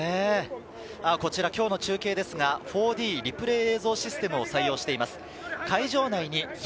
こちら今日の中継ですが、４Ｄリプレイ映像システムを採用しています。